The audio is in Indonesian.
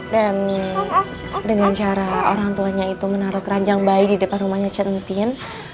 dan dengan cara orang tuanya itu menaruh keranjang bayi di depan rumahnya centin